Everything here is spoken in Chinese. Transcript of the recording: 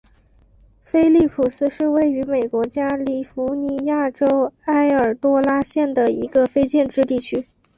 菲利普斯是位于美国加利福尼亚州埃尔多拉多县的一个非建制地区。